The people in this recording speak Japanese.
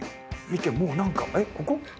見てもうなんかここ？